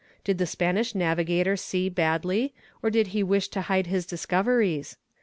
Did the Spanish navigator see badly, or did he wish to hide his discoveries?